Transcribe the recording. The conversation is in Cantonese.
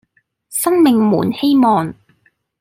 生命滿希望